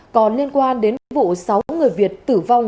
còn liên quan đến vụ sáu người việt tử vong